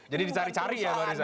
jadi dicari cari ya barisnya